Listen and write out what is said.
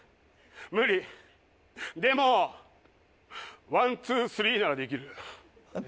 無理でもワンツースリーならできる。